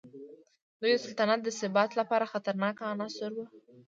دوی د سلطنت د ثبات لپاره خطرناک عناصر وو.